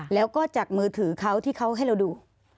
แล้วก็จากมือถือเขาที่เขาให้เราดู